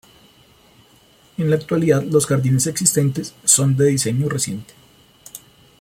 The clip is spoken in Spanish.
En la actualidad los jardines existentes son de diseño reciente.